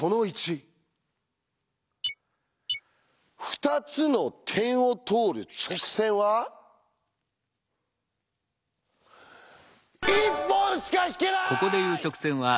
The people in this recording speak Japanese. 「２つの点を通る直線は１本しか引けない」！